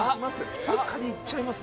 普通カニいっちゃいます